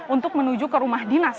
untuk menuju ke rumah dinas